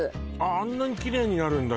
あんなにキレイになるんだ？